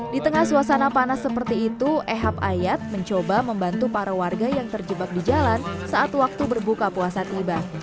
di tengah suasana panas seperti itu ehab ayat mencoba membantu para warga yang terjebak di jalan saat waktu berbuka puasa tiba